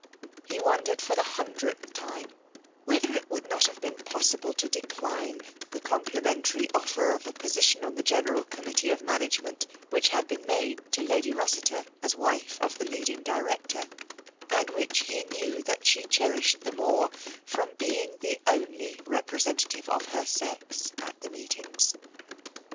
He wondered for the hundredth time whether it would not have been possible to decline the compli mentary offer of a position on the general committee of management which had been made to Lady Rossiter as wife of the leading director, and which he knew that she cherished the more from being the only representa tive of her sex at the meetings.